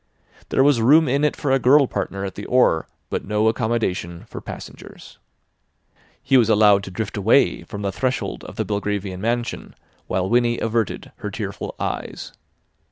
There was room in it for a girl partner at the oar, but no accommodation for passengers. He was allowed to drift away from the threshold of the Belgravian mansion while Winnie averted her tearful eyes.